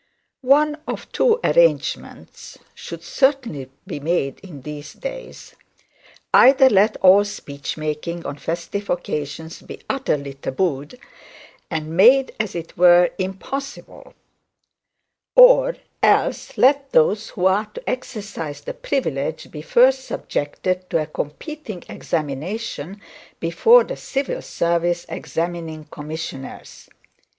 One of two arrangements should certainly be made in these days: either let all speech making on festive occasions be utterly tabooed and made as it were impossible; or else let those who are to exercise the privilege be first subjected to a competing examination before the civil service examining commissioners.